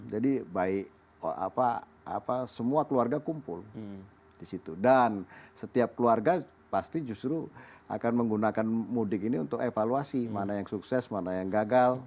jadi baik semua keluarga kumpul disitu dan setiap keluarga pasti justru akan menggunakan mudik ini untuk evaluasi mana yang sukses mana yang gagal